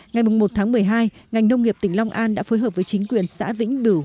ngày một tháng một mươi hai ngành nông nghiệp tỉnh long an đã phối hợp với chính quyền xã vĩnh bửu